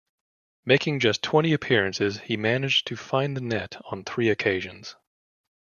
Making just twenty appearances, he managed to find the net on three occasions.